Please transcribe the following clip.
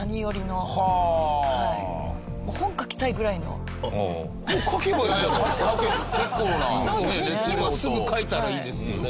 今すぐ書いたらいいですよね。